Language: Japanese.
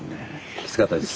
きつかったです。